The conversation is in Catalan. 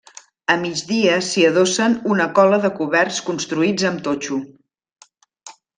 A migdia s'hi adossen una cola de coberts construïts amb totxo.